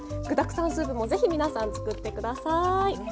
具だくさんスープもぜひ皆さん作って下さい！